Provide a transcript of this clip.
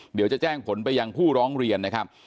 เดี๋ยวจะแจ้งผลไปยังผู้ร้องเรียนนะครับ